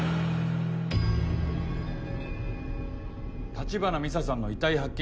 橘美沙さんの遺体発見